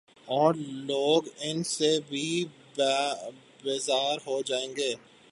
اورلوگ ان سے بھی بیزار ہوجائیں گے۔